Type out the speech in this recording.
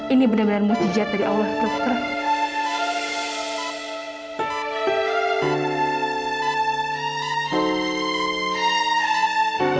ini benar benar muci jahat dari allah dokter